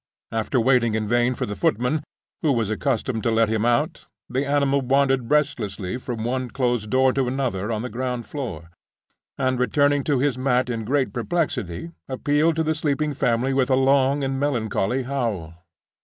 After waiting in vain for the footman, who was accustomed to let him out, the animal wandered restlessly from one closed door to another on the ground floor; and, returning to his mat in great perplexity, appealed to the sleeping family with a long and melancholy howl.